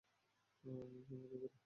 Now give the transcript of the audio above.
আমার জন্য অপেক্ষা করো।